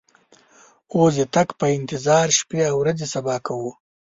اوس د تګ په انتظار شپې او ورځې صبا کوو.